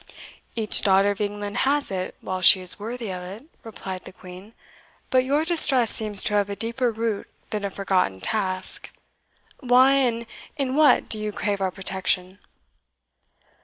"Each daughter of England has it while she is worthy of it," replied the Queen; "but your distress seems to have a deeper root than a forgotten task. Why, and in what, do you crave our protection?"